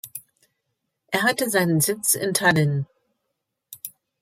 Er hatte seinen Sitz in Tallinn.